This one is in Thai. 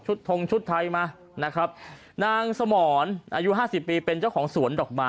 ทงชุดไทยมานะครับนางสมรอายุห้าสิบปีเป็นเจ้าของสวนดอกไม้